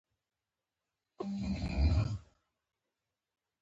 موږ بايد ځيني کارونه د سياليو له لاري وکو.